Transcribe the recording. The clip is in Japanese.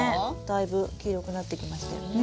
だいぶ黄色くなってきましたよね。